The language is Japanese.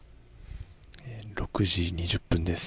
６時２０分です。